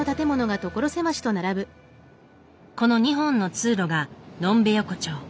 この２本の通路が呑んべ横丁。